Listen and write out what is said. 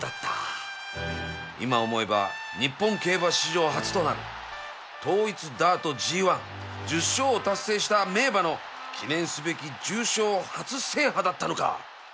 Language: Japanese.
今思えば日本競馬史上初となる統一ダート ＧⅠ１０ 勝を達成した名馬の記念すべき重賞初制覇だったのか